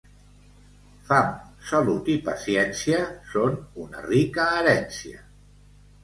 Fam, salut i paciència són una rica herència.